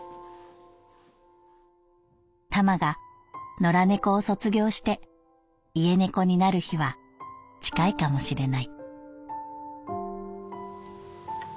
「タマが野良猫を卒業して家猫になる日は近いかもしれない」。